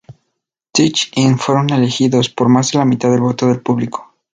Teach-In fueron elegidos por más de la mitad del voto del público.